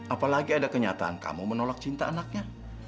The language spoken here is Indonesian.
apalagi ada kenyataan kamu menolak cinta anaknya